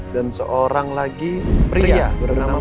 dan seorang lagi pria bernama pratama